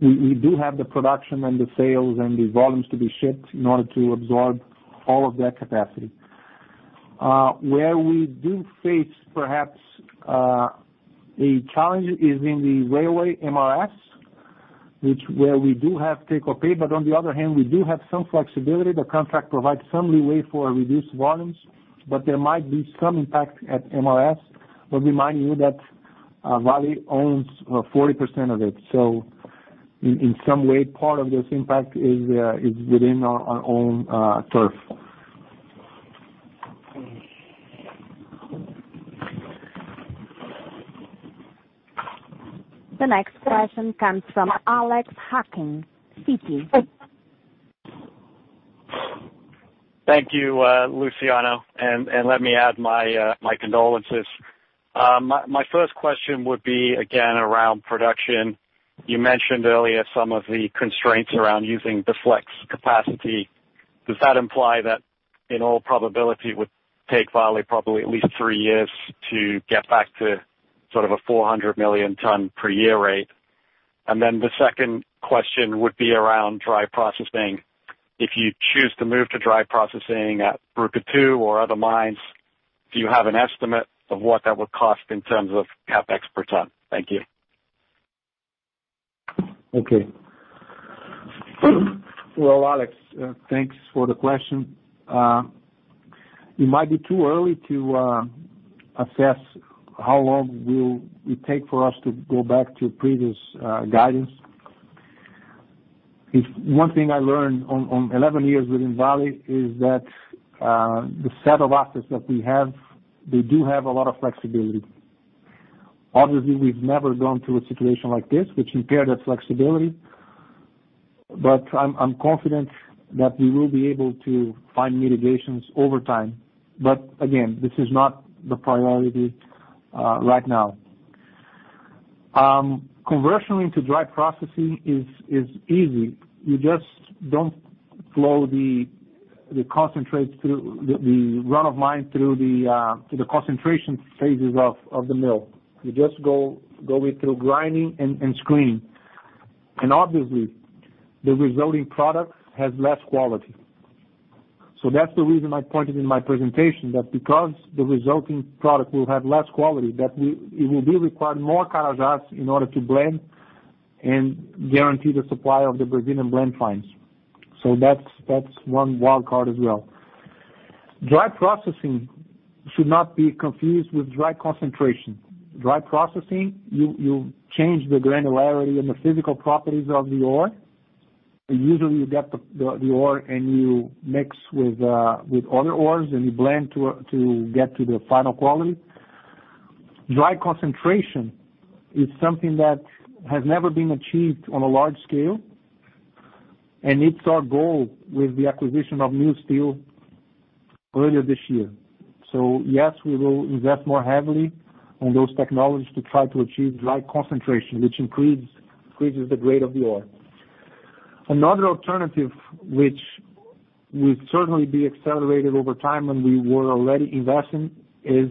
we do have the production and the sales and the volumes to be shipped in order to absorb all of that capacity. Where we do face perhaps a challenge is in the railway MRS, where we do have take-or-pay, on the other hand, we do have some flexibility. The contract provides some leeway for reduced volumes, but there might be some impact at MRS. Remind you that Vale owns 40% of it. In some way, part of this impact is within our own turf. The next question comes from Alex Hacking, Citi. Thank you, Luciano, and let me add my condolences. My first question would be again around production. You mentioned earlier some of the constraints around using the flex capacity. Does that imply that in all probability it would take Vale probably at least three years to get back to sort of a 400 million ton per year rate? The second question would be around dry processing. If you choose to move to dry processing at Brucutu or other mines, do you have an estimate of what that would cost in terms of CapEx per ton? Thank you. Okay. Well, Alex, thanks for the question. It might be too early to assess how long will it take for us to go back to previous guidance. If one thing I learned on 11 years within Vale is that, the set of assets that we have, they do have a lot of flexibility. Obviously, we've never gone through a situation like this which impaired that flexibility, I'm confident that we will be able to find mitigations over time. Again, this is not the priority right now. Conversion into dry processing is easy. You just don't flow the concentrates through the run of mine, through the concentration phases of the mill. You just go with through grinding and screening. Obviously, the resulting product has less quality. That's the reason I pointed in my presentation that because the resulting product will have less quality, that it will do require more Carajás in order to blend and guarantee the supply of the Brazilian Blend Fines. That's one wild card as well. Dry processing should not be confused with dry concentration. Dry processing, you change the granularity and the physical properties of the ore. Usually, you get the ore, and you mix with other ores, and you blend to get to the final quality. Dry concentration is something that has never been achieved on a large scale, and it's our goal with the acquisition of New Steel earlier this year. Yes, we will invest more heavily on those technologies to try to achieve dry concentration, which increases the grade of the ore. Another alternative, which will certainly be accelerated over time and we were already investing, is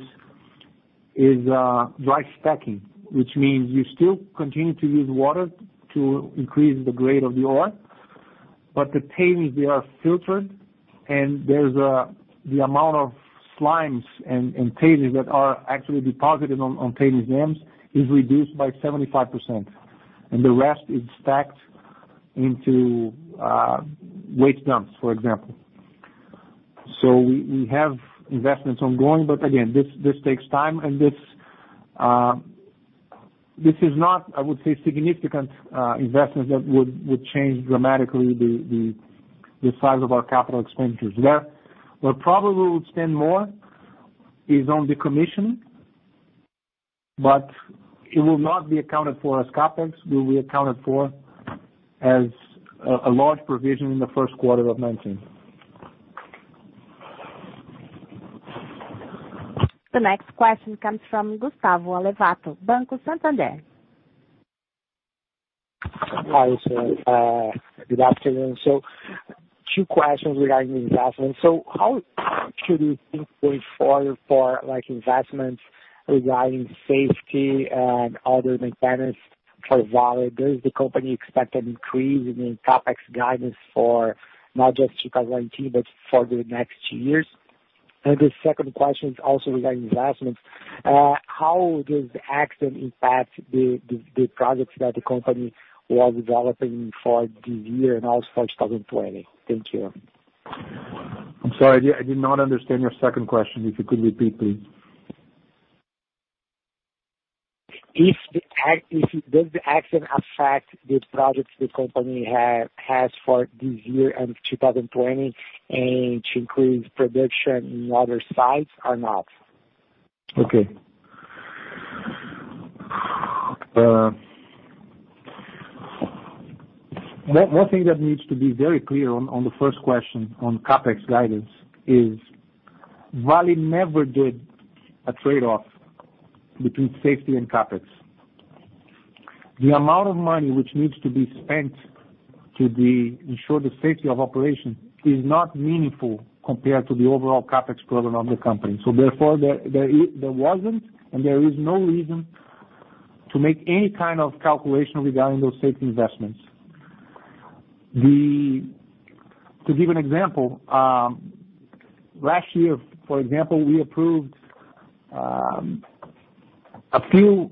dry stacking. Which means you still continue to use water to increase the grade of the ore, but the tailings are filtered, and the amount of slimes and tailings that are actually deposited on tailings dams is reduced by 75%, and the rest is stacked into waste dumps, for example. We have investments ongoing, but again, this takes time, and this is not, I would say, significant investments that would change dramatically the size of our capital expenditures there. Where probably we'll spend more is on the commissioning, but it will not be accounted for as CapEx. It will be accounted for as a large provision in the first quarter of 2019. The next question comes from Gustavo Alevato, Banco Santander. Hi, sir. Good afternoon. Two questions regarding investments. How should we think going forward for investments regarding safety and other maintenance for Vale? Does the company expect an increase in the CapEx guidance for not just 2019, but for the next years? The second question is also regarding investments. How does the accident impact the projects that the company was developing for this year and also for 2020? Thank you. I'm sorry, I did not understand your second question. If you could repeat, please. Does the accident affect the projects the company has for this year and 2020, and to increase production in other sites or not? One thing that needs to be very clear on the first question on CapEx guidance is Vale never did a trade-off between safety and CapEx. The amount of money which needs to be spent to ensure the safety of operations is not meaningful compared to the overall CapEx program of the company. Therefore, there wasn't, and there is no reason to make any kind of calculation regarding those safety investments. To give an example, last year, for example, we approved a few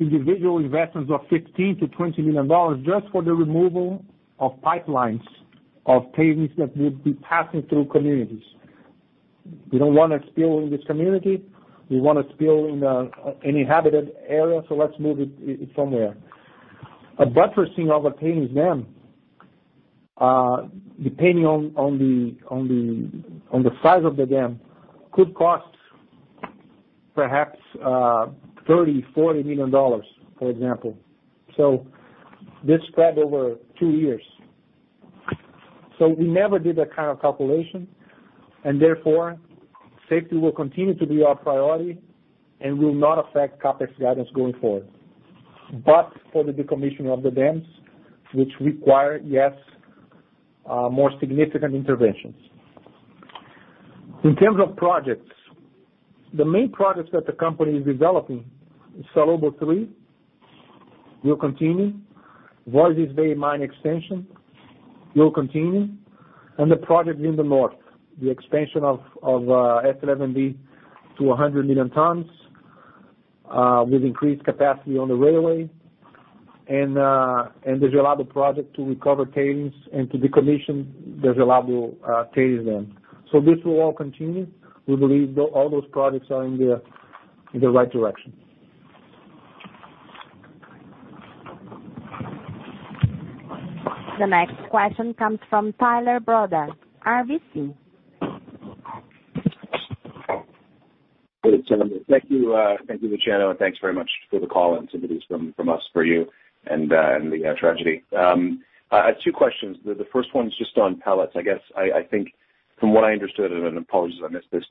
individual investments of 15 million to BRL 20 million just for the removal of pipelines of tailings that would be passing through communities. We don't want to spill in this community. We don't want to spill in an inhabited area, let's move it somewhere. A buttressing of a tailings dam, depending on the size of the dam, could cost perhaps 30 million, BRL 40 million, for example. This spread over two years. We never did that kind of calculation, therefore, safety will continue to be our priority and will not affect CapEx guidance going forward. For the decommissioning of the dams, which require, yes, more significant interventions. In terms of projects, the main projects that the company is developing is Salobo III will continue. Vargem Grande mine extension will continue. The project in the north, the expansion of S11D to 100 million tons, with increased capacity on the railway. The Gelado project to recover tailings and to decommission the Gelado tailings dam. This will all continue. We believe all those projects are in the right direction. The next question comes from Tyler Broda, RBC. Good afternoon. Thank you, Luciano, thanks very much for the call, and sympathies from us for you and the tragedy. I have two questions. The first one's just on pellets. I think from what I understood, apologies if I missed this,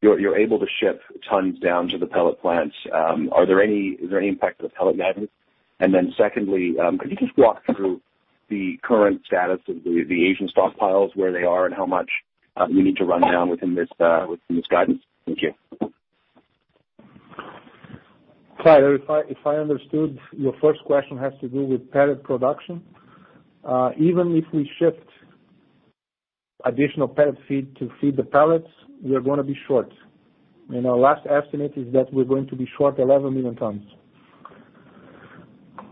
you're able to shift tons down to the pellet plants. Is there any impact to the pellet guidance? Secondly, could you just walk through the current status of the Asian stockpiles, where they are and how much you need to run down within this guidance? Thank you. Tyler, if I understood, your first question has to do with pellet production. Even if we shift additional pellet feed to feed the pellets, we're going to be short. Our last estimate is that we're going to be short 11 million tons.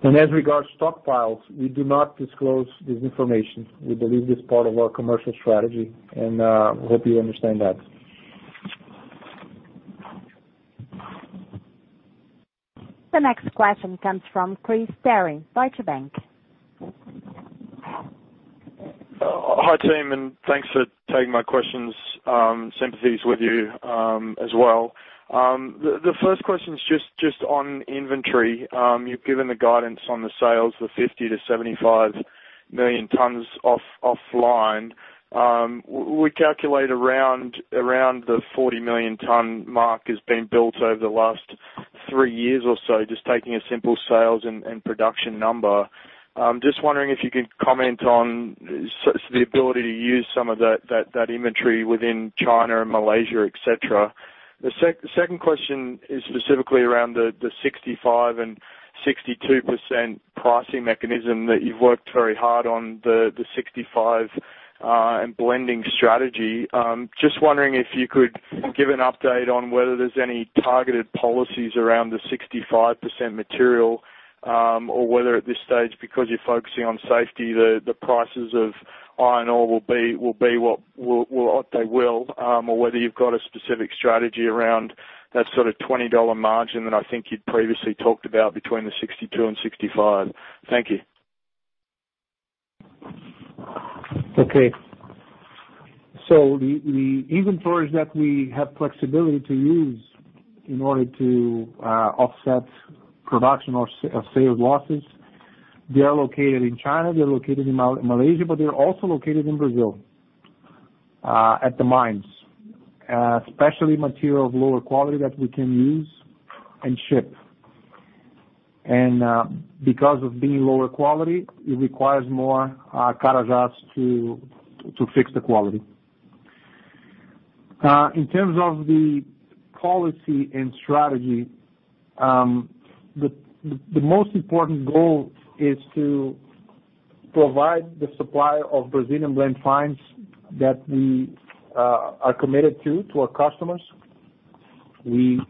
As regards stockpiles, we do not disclose this information. We believe it's part of our commercial strategy, and hope you understand that. The next question comes from Chris Terry, Deutsche Bank. Hi, team, and thanks for taking my questions. Sympathies with you as well. The first question is just on inventory. You've given the guidance on the sales, the 50 million tons-75 million tons offline. We calculate around the 40-million-ton mark has been built over the last three years or so, just taking a simple sales and production number. Just wondering if you could comment on the ability to use some of that inventory within China and Malaysia, et cetera. The second question is specifically around the 65% and 62% pricing mechanism that you've worked very hard on, the 65%, and blending strategy. Just wondering if you could give an update on whether there's any targeted policies around the 65% material, or whether at this stage, because you're focusing on safety, the prices of iron ore will, or whether you've got a specific strategy around that sort of BRL 20 margin that I think you'd previously talked about between the 62% and 65%. Thank you. Okay. The inventories that we have flexibility to use in order to offset production or sales losses, they are located in China, they're located in Malaysia, but they're also located in Brazil at the mines, especially material of lower quality that we can use and ship. Because of being lower quality, it requires more Carajás to fix the quality. In terms of the policy and strategy, the most important goal is to provide the supply of Brazilian Blend Fines that we are committed to our customers. We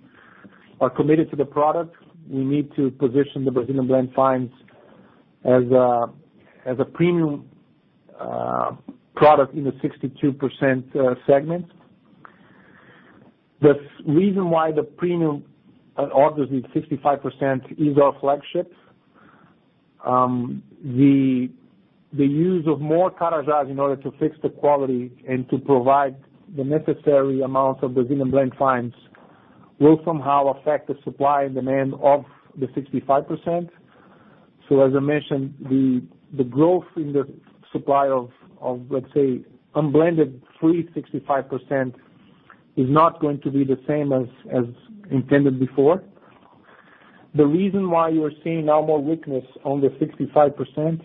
are committed to the product. We need to position the Brazilian Blend Fines as a premium product in the 62% segment. The reason why the premium ore, the 65%, is our flagship. The use of more Carajás in order to fix the quality and to provide the necessary amount of Brazilian Blend Fines will somehow affect the supply and demand of the 65%. As I mentioned, the growth in the supply of, let's say, unblended free 65%, is not going to be the same as intended before. The reason why you are seeing now more weakness on the 65%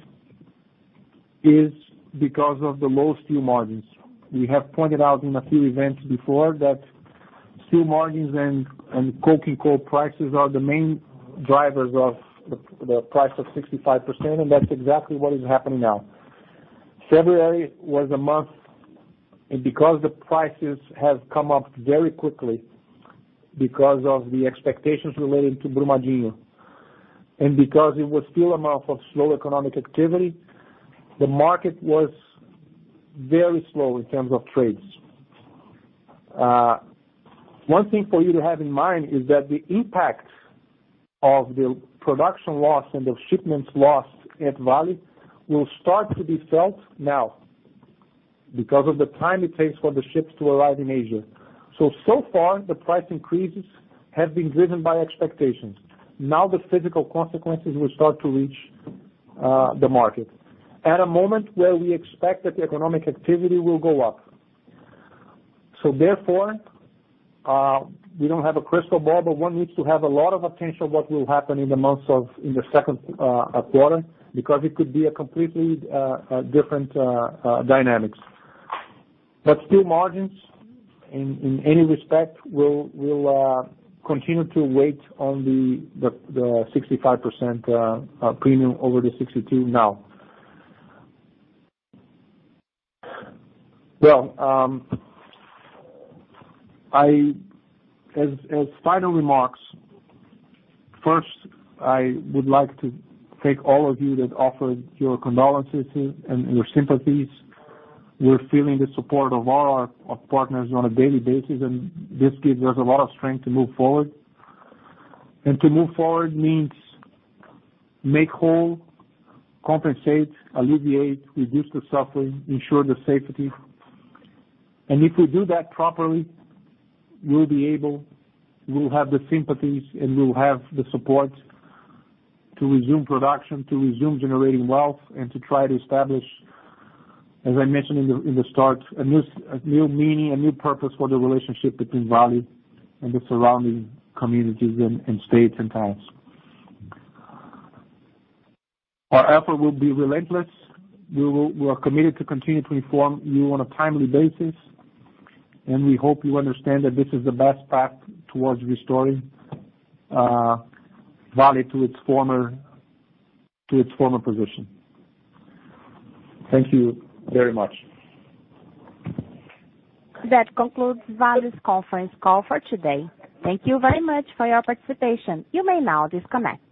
is because of the low steel margins. We have pointed out in a few events before that steel margins and coking coal prices are the main drivers of the price of 65%, and that's exactly what is happening now. February was a month, because the prices have come up very quickly because of the expectations relating to Brumadinho, and because it was still a month of slow economic activity, the market was very slow in terms of trades. One thing for you to have in mind is that the impact of the production loss and the shipments lost at Vale will start to be felt now because of the time it takes for the ships to arrive in Asia. So far the price increases have been driven by expectations. Now the physical consequences will start to reach the market at a moment where we expect that the economic activity will go up. Therefore, we don't have a crystal ball, but one needs to have a lot of attention what will happen in the months of the second quarter, because it could be a completely different dynamics. Steel margins, in any respect, will continue to wait on the 65% premium over the 62% now. As final remarks, first, I would like to thank all of you that offered your condolences and your sympathies. We're feeling the support of all our partners on a daily basis, this gives us a lot of strength to move forward. To move forward means make whole, compensate, alleviate, reduce the suffering, ensure the safety. If we do that properly, we'll have the sympathies, and we'll have the support to resume production, to resume generating wealth, and to try to establish, as I mentioned in the start, a new meaning, a new purpose for the relationship between Vale and the surrounding communities and states and towns. Our effort will be relentless. We are committed to continue to inform you on a timely basis, we hope you understand that this is the best path towards restoring Vale to its former position. Thank you very much. That concludes Vale's conference call for today. Thank you very much for your participation. You may now disconnect.